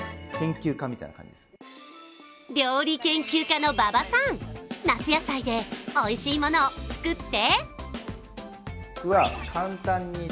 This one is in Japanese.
料理研究家の馬場さん、夏野菜でおいしいものを作って？